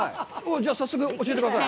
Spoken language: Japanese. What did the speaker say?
じゃあ、早速教えてください。